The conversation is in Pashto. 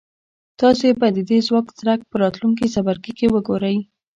تاسې به د دې ځواک څرک په راتلونکي څپرکي کې وګورئ.